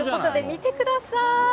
見てください。